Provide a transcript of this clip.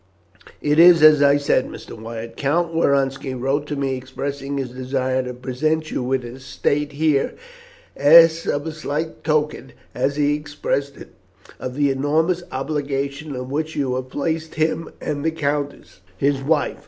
"It is as I said, Mr. Wyatt. Count Woronski wrote to me expressing his desire to present you with an estate here as some slight token, as he expressed it, of the enormous obligation under which you have placed him and the countess, his wife.